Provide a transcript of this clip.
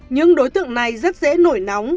nhưng đối tượng này rất dễ nổi nóng